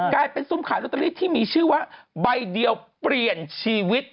กลายเป็นพล็งโรตทีที่มีชื่อว่าใบเดียวเปลี่ยนชีวิต